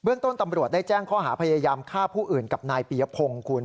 ต้นตำรวจได้แจ้งข้อหาพยายามฆ่าผู้อื่นกับนายปียพงศ์คุณ